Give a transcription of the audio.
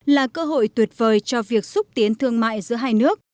là cơ hội tuyệt vời cho việc xúc tiến thương mại giữa hai nước